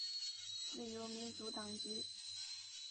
自由民主党籍。